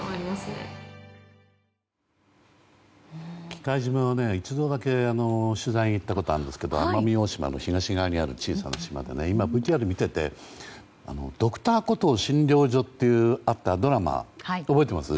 喜界島、一度だけ取材に行ったことがあるんですけど奄美大島の東側にある小さな島で今のＶＴＲを見ていて「Ｄｒ．コトー診療所」ってドラマを覚えています？